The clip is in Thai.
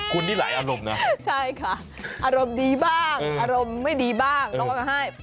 คุณนี่หลายอารมณ์นะใช่ค่ะอารมณ์ดีบ้างอารมณ์ไม่ดีบ้างลดมาให้